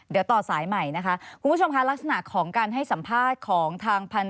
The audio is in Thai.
เดี๋ยวต่อสายใหม่นะคะคุณผู้ชมค่ะลักษณะของการให้สัมภาษณ์ของทางพันธ